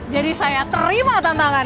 jadi saya terima tantangannya